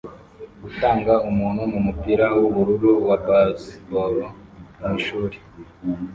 Gutanga umuntu mumupira wubururu wa baseball mwishuri